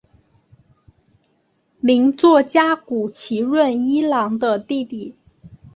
名作家谷崎润一郎的弟弟。